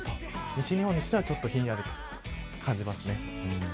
西日本にしてはちょっとひんやりと感じますね。